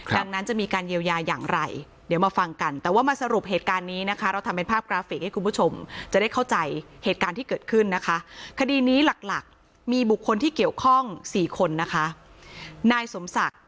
ดังนั้นจะมีการเยียวยาอย่างไรเดี๋ยวมาฟังกันแต่ว่ามาสรุปเหตุการณ์นี้นะคะ